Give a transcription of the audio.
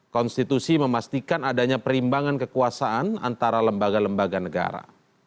konstitusi memastikan adanya perimbangan kekuasaan antara lembaga lembaga negara